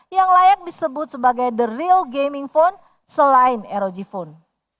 yang layak disebut sebagai the real gaming phone selain rog phone